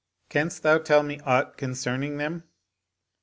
Canst thou tell me aught concerning them?